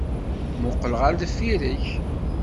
Muqel ɣer deffir-k!